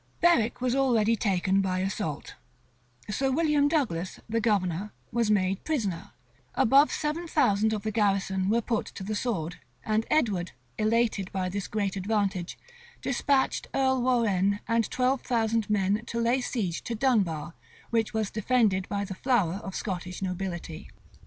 Berwick was already taken by assault: Sir William Douglas, the governor, was made prisoner: above seven thousand of the garrison were put to the sword: and Edward, elated by this great advantage, despatched Earl Warrenne with twelve thousand men to lay siege to Dunbar, which was defended by the flower of the Scottish nobility.